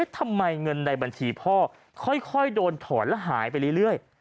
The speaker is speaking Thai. ทำไมเงินในบัญชีพ่อค่อยโดนถอนแล้วหายไปเรื่อย